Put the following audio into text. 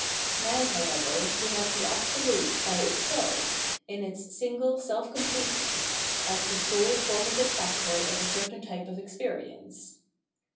Now, however, we have the Absolute by itself, in its single self completeness, as the sole formative factor of a certain ty'pe of experience.